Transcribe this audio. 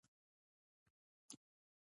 د پښتو په ژبه یې ورسوو.